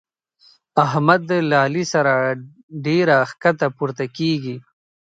احمد له علي سره ډېره کښته پورته کېږي.